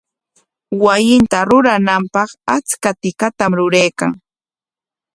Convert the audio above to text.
Wasinta rurananpaq achka tikatam ruraykan.